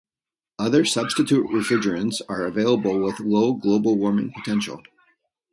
Other substitute refrigerants are available with low Global Warming Potential.